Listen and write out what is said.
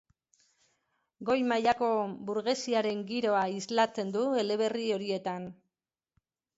Goi-mailako burgesiaren giroa islatzen du eleberri horietan.